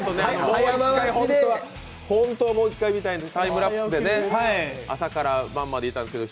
本当はもう１回見たいんですけどね。